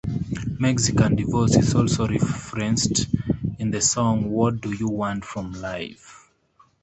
Mexican divorce is also referenced in the song What Do You Want from Life?